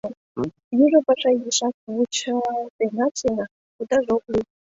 Южо паша изишак вучалтенат сеҥа, удаже ок лий.